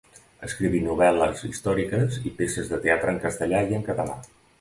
Escriví novel·les històriques i peces de teatre en castellà i en català.